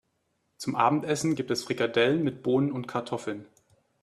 Zum Abendessen gibt es Frikadellen mit Bohnen und Kartoffeln.